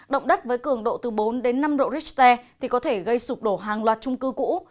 động đất với cường độ từ bốn đến năm độ richter thì có thể gây sụp đổ hàng loạt trung cư cũ